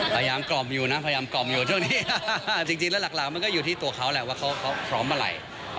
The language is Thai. พยายามกล่อมอยู่นะพยายามกล่อมอยู่จริงแล้วหลักมันก็อยู่ที่ตัวเขาแหละว่าเขาพร้อมเมื่อไหร่